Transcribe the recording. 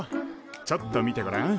ちょっと見てごらん。